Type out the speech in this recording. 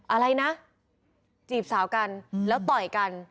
อะไรนะจีบสาวกันแล้วต่อยกัน